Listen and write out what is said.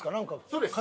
そうです。